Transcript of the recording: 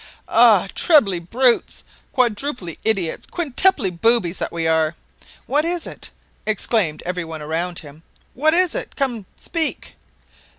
"Ah! trebly brutes! quadruply idiots! quintuply boobies that we are!" "What is it?" exclaimed everyone around him. "What is it?" "Come, speak!"